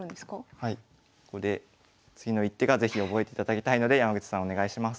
ここで次の一手が是非覚えていただきたいので山口さんお願いします。